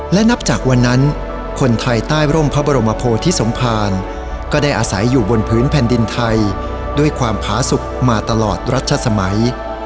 และนับจากวันนั้นคนไทยใต้ร่มพระบรมโพธิสมภารก็ได้อาศัยอยู่บนพื้นแผ่นดินไทยด้วยความผาสุขมาตลอดรัชสมัย